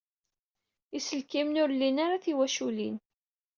Iselkimen ur lin ara tiwaculin.